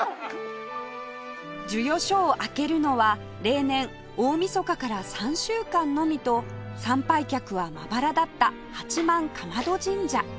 授与所を開けるのは例年大みそかから３週間のみと参拝客はまばらだった八幡竈門神社